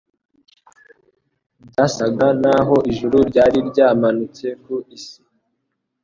Byasaga naho ijuru ryari ryamanutse ku isi.